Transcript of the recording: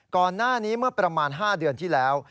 ก่อนหน้านี้เมื่อประมาณ๕เดือนที่แล้ว